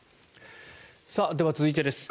では、続いてです。